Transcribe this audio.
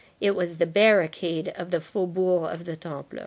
It was the barricade of the Faubourg of the Temple.